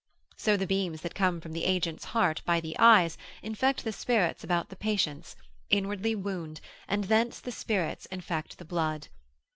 So the beams that come from the agent's heart, by the eyes, infect the spirits about the patients, inwardly wound, and thence the spirits infect the blood.